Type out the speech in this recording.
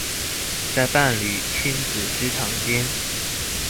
在伴侶、親子、職場間